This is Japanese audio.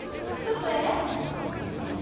ちょっとええ？